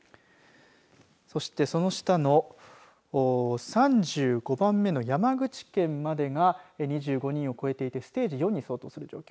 そして、その下の３５番目の山口県までが２５人を超えていてステージ４に相当する状況。